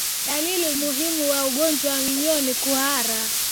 Dalili muhimu ya ugonjwa wa minyoo ni kuhara